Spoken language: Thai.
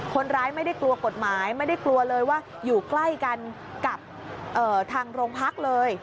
คนร้ายไม่ได้กลัวกฎหมายไม่ได้กลัวเลยว่าอยู่ใกล้กันกับทางโรงพักเลย